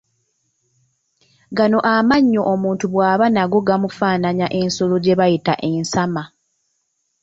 Gano amannyo omuntu bw’aba nago gamufaananya ensolo gye bayita ensama